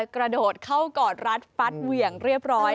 กระโดดเข้ากอดรัดฟัดเหวี่ยงเรียบร้อย